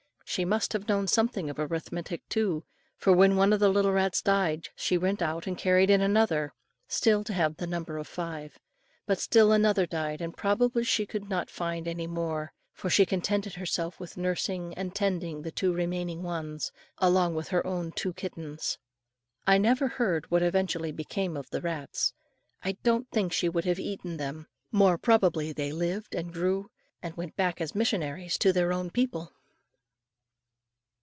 She must have known something of arithmetic too, for, when one of the little rats died, she went out and carried in another, still to have the number five. But still another died, and probably she could not find any more, for she contented herself with nursing, and tending the two remaining ones, along with her own two kittens. I never heard what eventually became of the rats. I don't think she would have eaten them. More probably they lived and grew, and went back as missionaries to their own people.